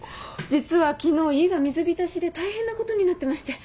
実は昨日家が水浸しで大変なことになってまして。